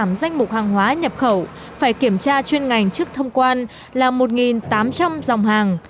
giảm danh mục hàng hóa nhập khẩu phải kiểm tra chuyên ngành trước thông quan là một tám trăm linh dòng hàng